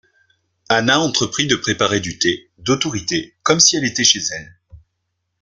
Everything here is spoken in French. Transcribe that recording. Anna entreprit de préparer du thé, d’autorité, comme si elle était chez elle.